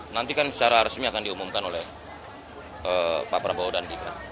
nanti kan secara resmi akan diumumkan oleh pak prabowo dan gibran